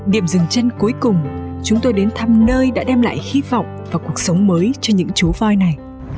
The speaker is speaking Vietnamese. điểm dừng chân cuối cùng chúng tôi đến thăm nơi đã đem lại hy vọng và cuộc sống mới cho những chú voi này